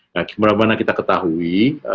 bagaimana kita ketahui